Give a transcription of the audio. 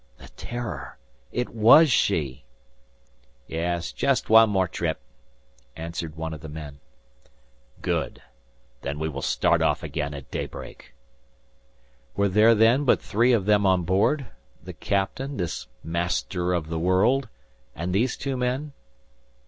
'" The "Terror!" It WAS she! "Yes; just one more trip," answered one of the men. "Good; then we will start off again at daybreak." Were there then but three of them on board? The Captain, this Master of the World, and these two men?